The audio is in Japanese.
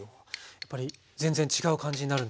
やっぱり全然違う感じになるんですか？